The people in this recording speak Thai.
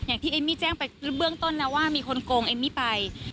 อย่างที่เอมมี่แจ้งไปเบื้องต้นนะว่ามีคนโกงเอมมี่ไป